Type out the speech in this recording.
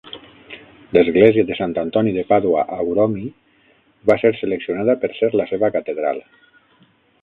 L'església de Sant Antoni de Pàdua a Uromi va ser seleccionada per ser la seva catedral.